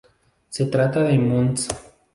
Se trata de Mons.